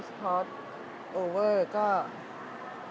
เดี๋ยวจะให้ดูว่าค่ายมิซูบิชิเป็นอะไรนะคะ